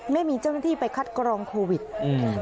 ไม่มีเจ้าหน้าที่ไปคัดกรองโควิดอืม